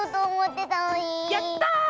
やった！